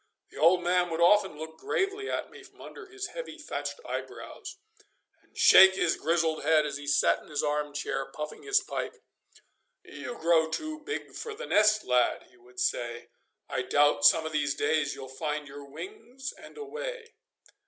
The old man would often look gravely at me from under his heavy thatched eyebrows, and shake his grizzled head as he sat in his arm chair puffing his pipe. 'You grow too big for the nest, lad,' he would say. 'I doubt some of these days you'll find your wings and away!